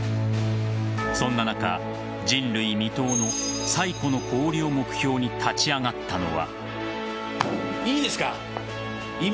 そんな中人類未踏の最古の氷を目標に立ち上がったのは。